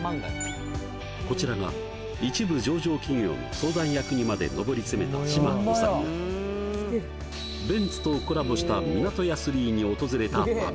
こちらが一部上場企業の相談役にまで上り詰めた島耕作がベンツとコラボしたＭｉｎａｔｏｙａ３に訪れた場面